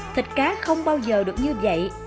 thịt cá không bao giờ được như vậy